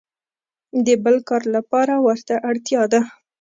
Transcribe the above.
د بل کار لپاره ورته اړتیا ده.